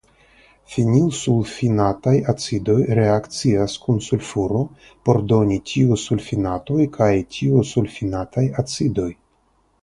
Fenilsulfinataj acidoj reakcias kun sulfuro por doni tiosulfinatoj kaj tiosulfinataj acidoj.